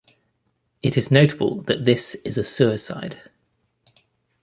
It is notable that this is a suicide.